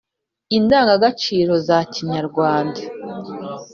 indangagaciro za Kinyarwanda